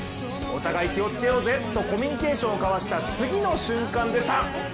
お互い気をつけようぜとコミュニケーションを交わした次の瞬間でした。